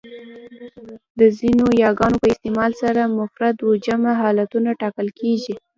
د ځینو یاګانو په استعمال سره مفرد و جمع حالتونه ټاکل کېږي.